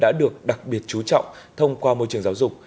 các em sẽ được đặc biệt chú trọng thông qua môi trường giáo dục